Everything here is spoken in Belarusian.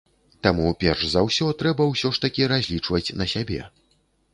Таму перш за ўсё трэба ўсё ж такі разлічваць на сябе.